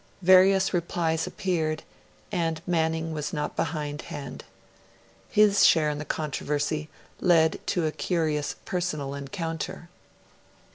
Various replies appeared, and Manning was not behindhand. His share in the controversy led to a curious personal encounter.